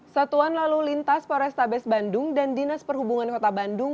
satuan lalu lintas porestabes bandung dan dinas perhubungan kota bandung